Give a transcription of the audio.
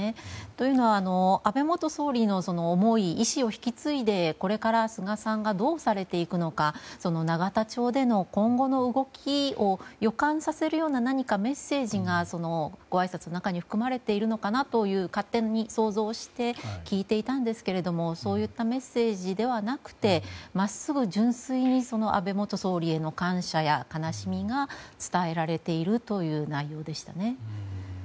というのは、安倍元総理の思い遺志を引き継いでこれから菅さんがどうされていくのか永田町での今後の動きを予感させるような何かメッセージがごあいさつのなかに含まれているのかなというのを勝手に想像して聞いていたんですがそういったメッセージではなくて真っすぐ純粋に安倍元総理への感謝や悲しみが伝えられているという内容でしたね。